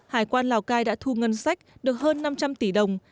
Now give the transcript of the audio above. hải quan lào cai đã thu ngân sách được hơn năm trăm linh tỷ đồng